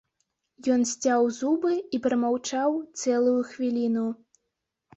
Ён сцяў зубы і прамаўчаў цэлую хвіліну.